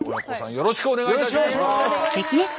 よろしくお願いします！